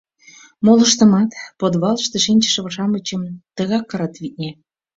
Молыштымат, подвалыште шинчыше-шамычым, тыгак кырат, витне.